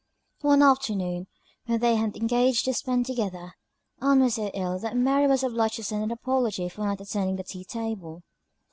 One afternoon, which they had engaged to spend together, Ann was so ill, that Mary was obliged to send an apology for not attending the tea table.